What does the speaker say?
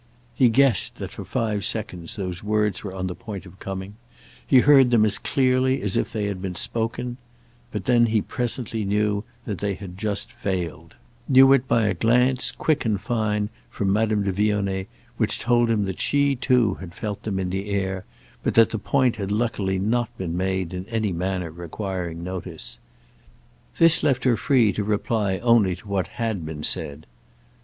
He guessed that for five seconds these words were on the point of coming; he heard them as clearly as if they had been spoken; but he presently knew they had just failed—knew it by a glance, quick and fine, from Madame de Vionnet, which told him that she too had felt them in the air, but that the point had luckily not been made in any manner requiring notice. This left her free to reply only to what had been said.